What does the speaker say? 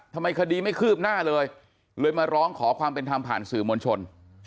ทำไมคดีไม่คืบหน้าเลยเลยมาร้องขอความเป็นธรรมผ่านสื่อมวลชน